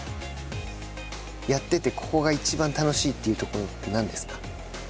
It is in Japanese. やっててここがいちばん楽しいというところって何ですか。